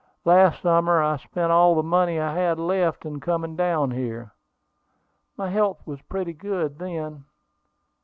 Last summer I spent all the money I had left in coming down here. My health was pretty good then.